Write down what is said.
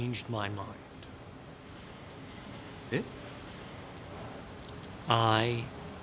えっ？